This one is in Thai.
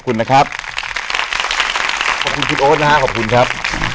อยู่ที่แม่ศรีวิรัยิลครับ